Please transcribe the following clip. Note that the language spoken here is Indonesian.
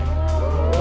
pada masa yang baru